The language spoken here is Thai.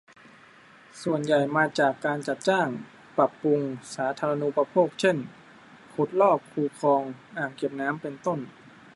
ส่วนใหญ่มาจากการจัดจ้าง ปรับปรุงสาธารณูปโภค เช่น ขุดลอก คู คลอง อ่างเก็บน้ำ เป็นต้น